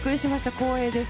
光栄です。